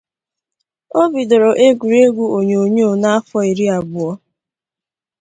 O bidoro egwuregwu onyo-onyoo n'afọ iri abụọ.